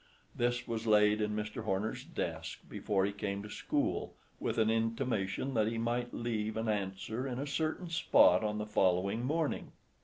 This was laid in Mr. Horner's desk before he came to school, with an intimation that he might leave an answer in a certain spot on the following morning.